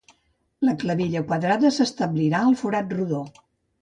La clavilla quadrada s'establirà al forat rodó.